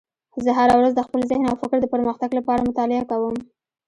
زه هره ورځ د خپل ذهن او فکر د پرمختګ لپاره مطالعه کوم